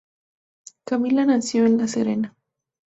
Camila nació en La Serena.